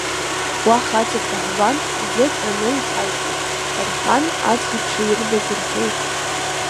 Уа хаҵак даҳбан, аӡы таны иҳаиҭеит, — рҳәан аӡӷабцәа ирбаз рҳәеит.